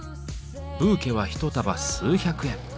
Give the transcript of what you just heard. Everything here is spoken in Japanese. ブーケは一束数百円。